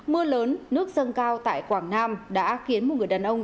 mưa lớn nước dâng cao tại quảng nam đã khiến một người đàn ông